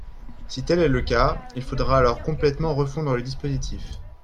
Si tel est le cas, il faudra alors complètement refondre le dispositif.